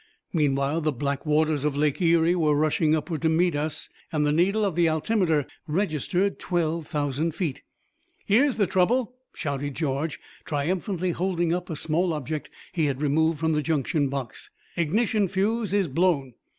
Meanwhile, the black waters of Lake Erie were rushing upward to meet us, and the needle of the altimeter registered twelve thousand feet. "Here's the trouble!" shouted George, triumphantly holding up a small object he had removed from the junction box. "Ignition fuse is blown."